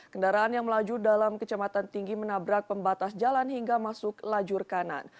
kendaraan yang melaju dalam kecematan tinggi menabrak pembatas jalan hingga masuk lajur kanan